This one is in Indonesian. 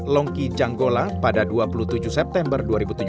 longki janggola pada dua puluh tujuh september dua ribu tujuh belas